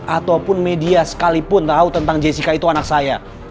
ataupun media sekalipun tahu tentang jessica itu anak saya